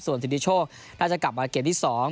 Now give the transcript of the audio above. ส่วนสิริโชคน่าจะกลับมาเกมที่๒